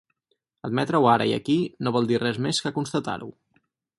Admetre-ho ara i aquí no vol dir res més que constatar-ho.